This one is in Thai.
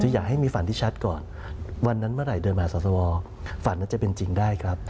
อยากให้มีฝันที่ชัดก่อนวันนั้นเมื่อไหร่เดินมาหาสอสวฝันนั้นจะเป็นจริงได้ครับ